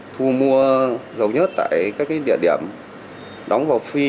thu mua dầu nhất tại các địa điểm đóng vào phi